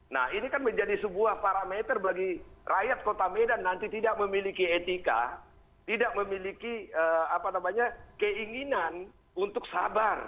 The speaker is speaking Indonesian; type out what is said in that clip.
nah ini kan menjadi sebuah parameter bagi rakyat kota medan nanti tidak memiliki etika tidak memiliki keinginan untuk sabar